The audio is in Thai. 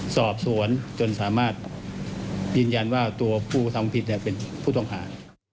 สอบสวนจนสามารถยืนยันว่าตัวผู้ทำผิดเป็นผู้ต้องหา